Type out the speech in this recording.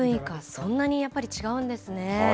そんなにやっぱり違うんですね。